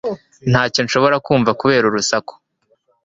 Ntacyo nshobora kumva kubera urusaku